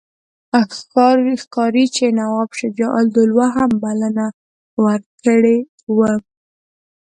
ښکاري چې نواب شجاع الدوله هم بلنه ورکړې وه.